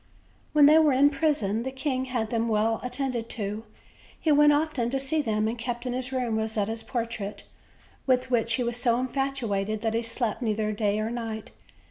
When they were in prison'the king had them well at tended to; he went often to see them, and kept in his room Rosetta's portrait, with which he was so infatuated that he slept neither day nor night.